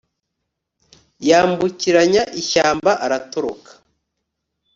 yambukiranya ishyamba aratoroka